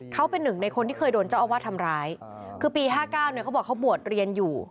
เขาเป็นหนึ่งในคนที่เคยโดนเจ้าอาวาสทำร้ายคือปี๕๙เนี่ยเขาบอกเขาบวชเรียนอยู่